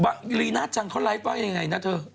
บางรีน่าจังเขาไลฟ์ไว้ยังไงนะเถอะ